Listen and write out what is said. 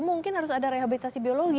mungkin harus ada rehabilitasi biologis nih